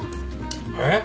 えっ？